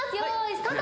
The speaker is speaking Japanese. スタート。